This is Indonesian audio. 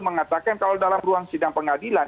mengatakan kalau dalam ruang sidang pengadilan